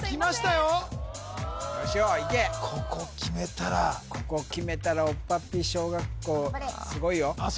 よしおいけここ決めたらここ決めたらおっぱっぴー小学校すごいよあっ